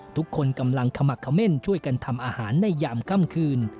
ทุกคนกำลังขมักเขม่นช่วยกันทำอาหารในยามค่ำคืน